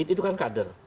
itu kan kader